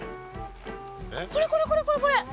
これこれこれこれこれ。